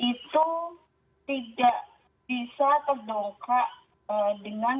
itu tidak bisa terdongkak dengan memberikan libur panjang